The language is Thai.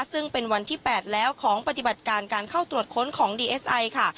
ซึ่งเป็นวันที่๘แล้วของปฏิบัติการการเข้าตรวจค้นของดีเอสไอค่ะ